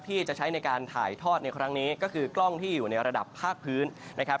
ที่จะใช้ในการถ่ายทอดในครั้งนี้ก็คือกล้องที่อยู่ในระดับภาคพื้นนะครับ